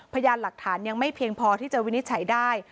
พยานหลักฐานยังไม่เพียงพอที่จะวินิจฉัยได้